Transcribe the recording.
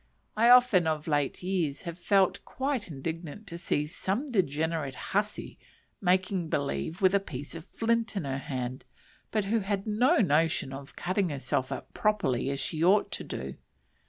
I often, of late years, have felt quite indignant to see some degenerate hussy making believe with a piece of flint in her hand, but who had no notion of cutting herself up properly as she ought to do.